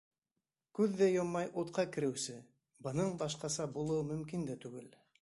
Күҙ ҙә йоммай утҡа кереүсе, Бының башҡаса булыуы мөмкин дә түгел.